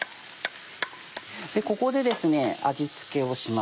ここで味付けをします。